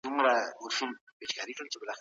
تاسي باید د خپل ژوند واک ولرئ.